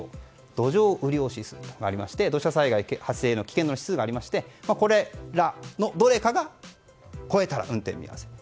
土壌雨量指数というのがありまして土砂災害発生危険度の指数がありましてこれらのどれかが超えたら運転見合わせと。